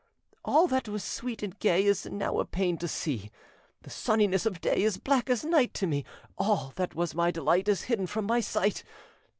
All that was sweet and gay Is now a pain to see; The sunniness of day Is black as night to me; All that was my delight Is hidden from my sight.